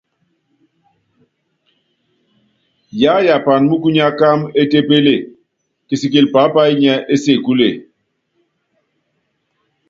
Yiáyapan múkunya kámɛ étépeple, kisikilɛ pápayo nyiɛ́ ésekúle.